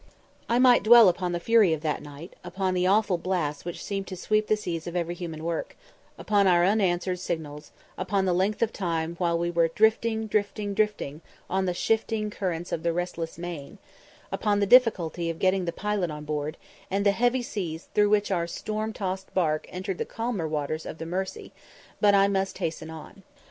I might dwell upon the fury of that night upon the awful blasts which seemed about to sweep the seas of every human work upon our unanswered signals upon the length of time while we were "Drifting, drifting, drifting, On the shifting Currents of the restless main" upon the difficulty of getting the pilot on board and the heavy seas through which our storm tossed bark entered the calmer waters of the Mersey: but I must hasten on.